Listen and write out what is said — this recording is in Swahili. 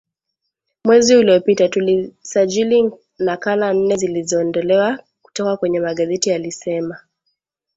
Mwezi uliopita tulisajili nakala nne zilizoondolewa kutoka kwenye magazeti alisema